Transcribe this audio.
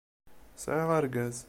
Sɛiɣ argaz.